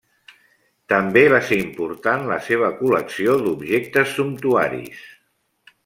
També va ser important la seva col·lecció d'objectes sumptuaris.